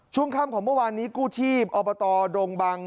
ช่วงค่ำของเมื่อวานนี้กู้ชีพอบตดงบัง